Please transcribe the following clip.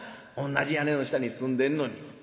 同じ屋根の下に住んでんのに」。